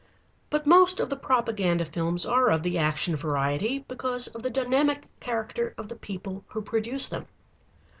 But most of the propaganda films are of the action variety, because of the dynamic character of the people who produce them.